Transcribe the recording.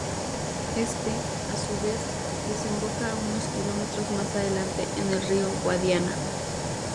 Éste, a su vez, desemboca unos kilómetros más adelante en el río Guadiana.